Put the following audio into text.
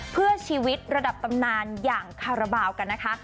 เพื่อชีวิตระดับตำนานอย่างคาราบาลกันนะคะ